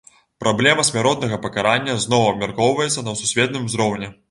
Праблема смяротнага пакарання зноў абмяркоўваецца на сусветным узроўні.